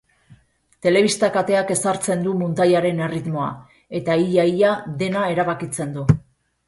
Telebista-kateak ezartzen du muntaiaren erritmoa, eta ia-ia dena erabakitzen du.